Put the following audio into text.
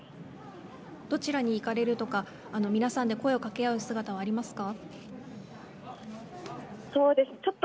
どちらに行かれるとか皆さんで声を掛け合う姿はそうですね。